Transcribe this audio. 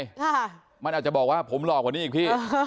ค่ะมันอาจจะบอกว่าผมหลอกกว่านี้อีกพี่